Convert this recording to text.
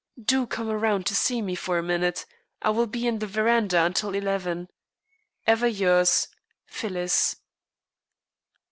Do come around and see me for a minute. I will be in the verandah until eleven. "Ever yours, "PHYLLIS."